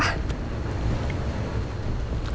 kamu istirahat ya